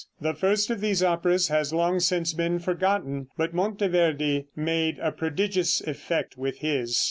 The first of these operas has long since been forgotten, but Monteverde made a prodigious effect with his.